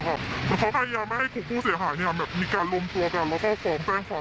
เพราะเขาพยายามไม่ให้ผู้เสียหายเนี่ยมีการลมภูมิกันแล้วก็คล้องแจ้งความเขา